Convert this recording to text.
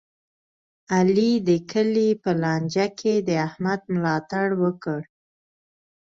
علي د کلي په لانجه کې د احمد ملا تړ وکړ.